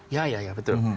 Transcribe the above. ya ya ya betul